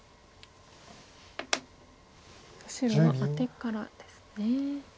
白はアテからですね。